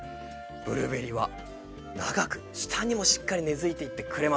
ブルーベリーは長く下にもしっかり根づいていってくれます